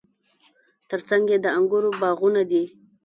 ترڅنګ یې د انګورو باغونه دي.